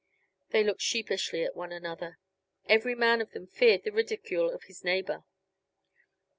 They looked sheepishly at one another; every man of them feared the ridicule of his neighbor.